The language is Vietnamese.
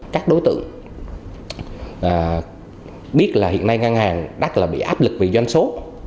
các đối tượng biết là hiện nay ngân hàng đắt là bị áp lực vì doanh số